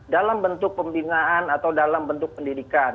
dalam bentuk pembinaan atau dalam bentuk pendidikan